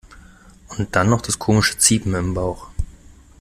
Und dann noch das komische ziepen im Bauch.